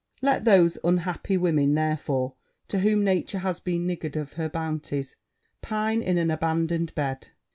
Let those unhappy women, therefore, to whom nature has been niggard of her bounties, pine in an abandoned bed.